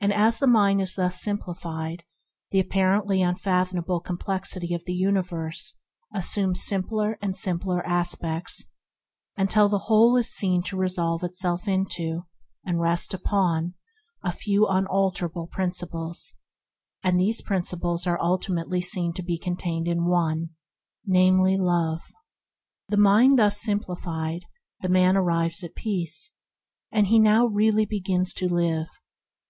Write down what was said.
As the mind is thus simplified, the apparently unfathomable complexity of the universe assumes simpler and simpler aspects, until the whole is seen to resolve itself into, and to rest upon, a few unalterable Principles; and these Principles are ultimately seen to be contained in one, namely, Love. The mind thus simplified, the man arrives at peace, and now really begins to live.